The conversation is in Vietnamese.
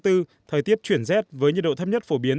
thời tiết chuyển rét với nhiệt độ thấp nhất phổ biến